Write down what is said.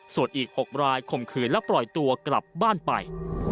ส่วนอีก๖รายข่มขืนและปล่อยตัวกลับบ้านไป